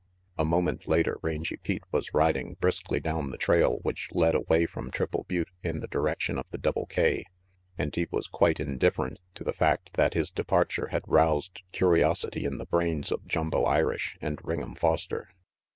A moment later Rangy Pete was riding briskly down the trail which led away from Triple Butte in the direction of the Double K, and he was quite indifferent to the fact that his departure had roused curiosity in the brains of Jumbo Irish and Ring'em Foster.